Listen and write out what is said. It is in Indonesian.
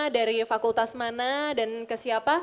dari fakultas mana dan ke siapa